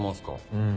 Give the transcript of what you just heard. うん。